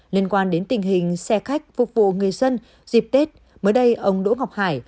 liên quan đến tình hình xe khách phục vụ người dân dịp tết mới đây ông đỗ ngọc hải